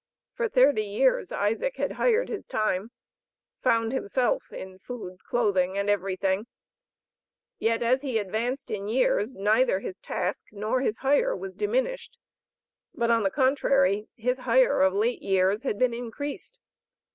For thirty years Isaac had hired his time, found himself in food, clothing, and everything, yet as he advanced in years, neither his task, nor his hire was diminished, but on the contrary his hire of late years had been increased.